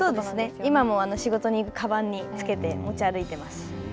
今も仕事に行くとき、かばんに付けて持ち歩いています。